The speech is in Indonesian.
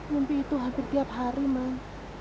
mimpi itu hampir tiap hari mas